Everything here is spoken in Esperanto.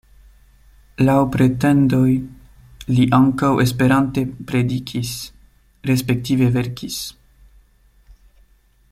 Laŭ pretendoj li ankaŭ Esperante predikis, respektive verkis.